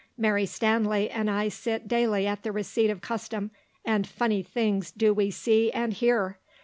Mary Stanley and I sit daily at the receipt of custom, and funny things do we see and hear!